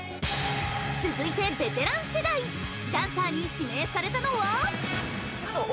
続いてベテラン世代ダンサーに指名されたのは？